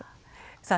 さあ